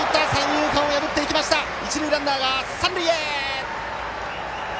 一塁ランナーは三塁へ！